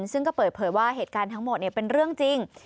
ซึ่งก็เปิดเผยว่าเหตุการณ์ทั้งหมดเป็นเรื่องจริง